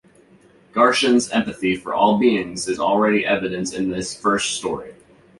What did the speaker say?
Garshin's empathy for all beings is already evident in this first story.